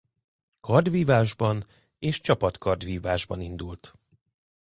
Kardvívásban és csapat kardvívásban indult.